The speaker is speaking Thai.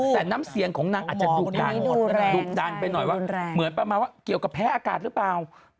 แต่น้ำเสียงของนางอาจจะดุดันหมดแรงดุดันไปหน่อยว่าเหมือนประมาณว่าเกี่ยวกับแพ้อากาศหรือเปล่า